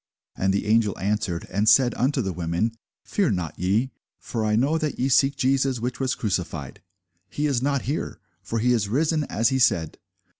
And the angel answered and said unto the women, Fear not ye: for I know that ye seek Jesus, which was crucified. He is not here: for he is risen, as he said.